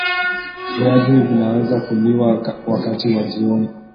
Viazi vinaweza kuliwa wakati wa jioni